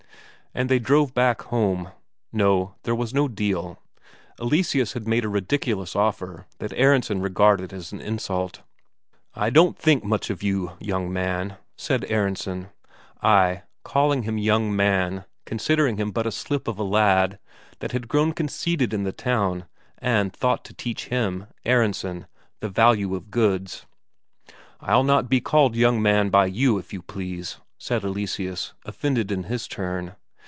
And they drove back home. No, there was no deal; Eleseus had made a ridiculous offer, that Aronsen regarded as an insult. "I don't think much of you, young man," said Aronsen; ay, calling him young man, considering him but a slip of a lad that had grown conceited in the town, and thought to teach him, Aronsen, the value of goods. "I'll not be called 'young man' by you, if you please," said Eleseus, offended in his turn.